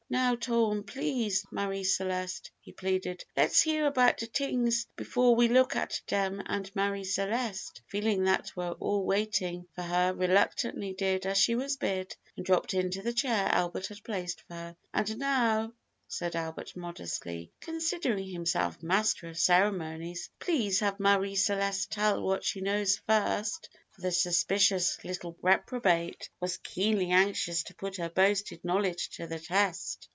"Now tome, please, Marie Celeste," he pleaded; "let's hear about de tings before we look at dem and Marie Celeste, feeling that they were all waiting for her, reluctantly did as she was bid, and dropped into the chair Albert had placed for her. "And now," said Albert modestly, considering himself master of ceremonies, "please have Marie Celeste tell what she knows first," for the suspicious little reprobate was keenly anxious to put her boasted knowledge to the test.